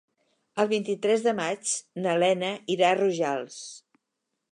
El vint-i-tres de maig na Lena irà a Rojals.